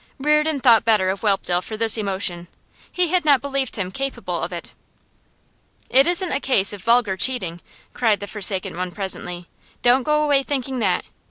Reardon thought better of Whelpdale for this emotion; he had not believed him capable of it. 'It isn't a case of vulgar cheating!' cried the forsaken one presently. 'Don't go away thinking that.